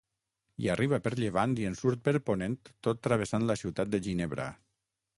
Hi arriba per llevant i en surt per ponent tot travessant la ciutat de Ginebra.